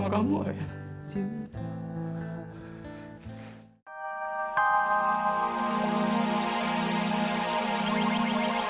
kalau aku tulus sama kamu ayah